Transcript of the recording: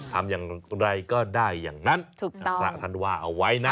ทำอย่างไรก็ได้อย่างนั้นพระท่านว่าเอาไว้นะ